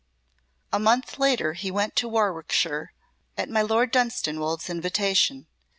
A month later he went to Warwickshire at my Lord Dunstanwolde's invitation.